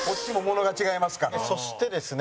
そしてですね